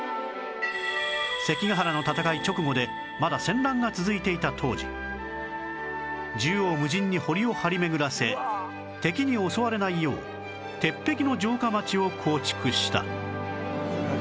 関ヶ原の戦い直後でまだ戦乱が続いていた当時縦横無尽に堀を張り巡らせ敵に襲われないよう鉄壁の城下町を構築した